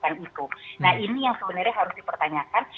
nah ini yang sebenarnya harus dipertanyakan